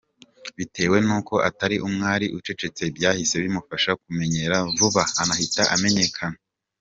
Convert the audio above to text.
Bitewe nuko atari umwari ucecetse, byahise bimufasha kumenyera vuba anahita amenyekana”.